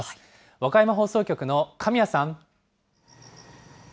和歌山放送局の神谷さん。